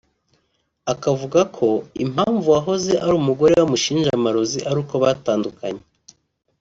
akavuga ko impamvu uwahoze ari umugore we amushinja amarozi ari uko batandukanye